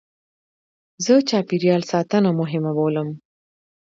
زه چاپېریال ساتنه مهمه بولم.